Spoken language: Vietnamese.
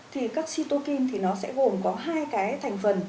thì các chitokin thì nó sẽ gồm có hai cái thành phần